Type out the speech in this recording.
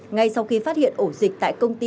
ngay sau khi phát hiện ổ dịch tại công ty